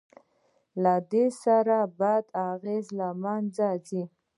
له دې سره د بدۍ اغېز له منځه ځي.